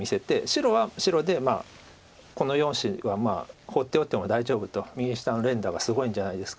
白は白でこの４子は放っておいても大丈夫と右下の連打がすごいんじゃないですかと。